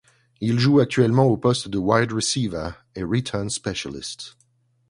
Il joue actuellement aux postes de wide receiver et return specialist.